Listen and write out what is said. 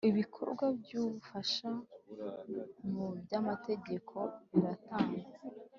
ibikorwa byubufasha mu byamategeko biratangwa